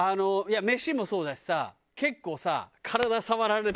飯もそうだしさ結構さ体触られたりさ。